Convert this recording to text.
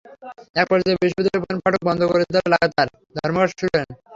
একপর্যায়ে বিশ্ববিদ্যালয়ের প্রধান ফটক বন্ধ করে তাঁরা লাগাতার ধর্মঘট শুরু করেন।